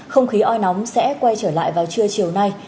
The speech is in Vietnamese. không khí oi nóng sẽ quay trở lại vào trưa chiều nay